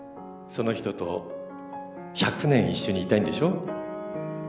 その人と１００年一緒にいたいんでしょ？